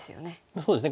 そうですね